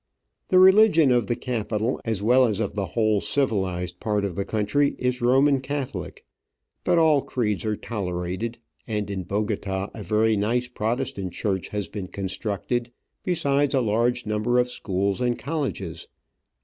The religion of the capital, as well as of the whole civilised part of the country, is Roman Catholic ; but all creeds are tolerated, and in Bogota a very nice Protestant church has been con structed, besides a large number of schools and colleges.